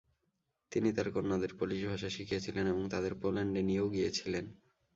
তিনি তার কন্যাদের পোলিশ ভাষা শিখিয়েছিলেন এবং তাদের পোল্যান্ডে নিয়েও গিয়েছিলেন।